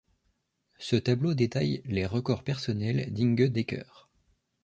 Ce tableau détaille les records personnels d'Inge Dekker.